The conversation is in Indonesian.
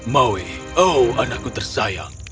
maui oh anakku tersayang